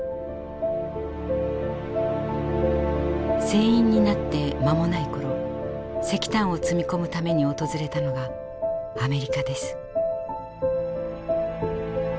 船員になって間もない頃石炭を積み込むために訪れたのがアメリカです。